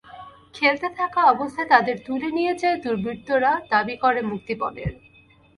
খেলতে থাকা অবস্থায় তাদের তুলে নিয়ে যায় দুর্বৃত্তরা, দাবি করে মুক্তিপণের।